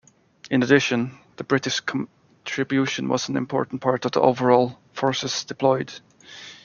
In addition, the British contribution was an important part of the overall forces deployed.